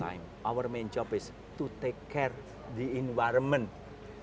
tugas utama kami adalah untuk menjaga alam semesta